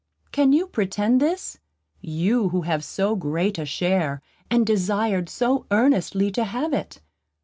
Can you pretend this; you who have so great a share, and desired so earnestly to have it?